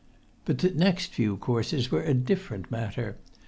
But the next few courses were a different matter.